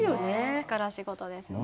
力仕事ですもんね。